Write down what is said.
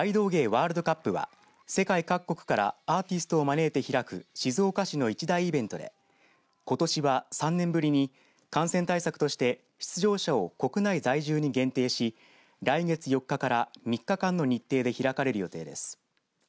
ワールドカップは世界各国からアーティストを招いて開く静岡市の一大イベントでことしは３年ぶりに感染対策として出場者を国内在住に限定し来月４日から３日間の日程で開かれる予定です。